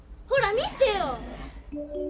ほら見てよ！